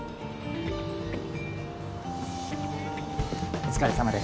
お疲れさまです。